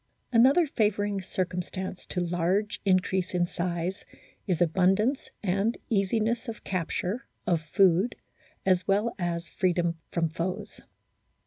Another favouring circumstance to large increase in size is abundance, and easiness of capture, of food, as well as freedom from foes.